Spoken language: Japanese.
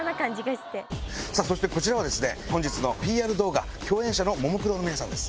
そしてこちらは本日のＰＲ動画共演者のももクロの皆さんです。